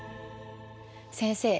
先生